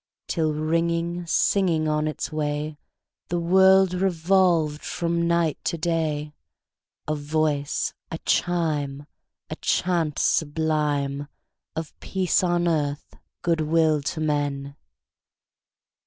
Till, ringing, singing on its way, The world revolved from night to day, A voice, a chime, A chant sublime Of peace on earth, good will to men!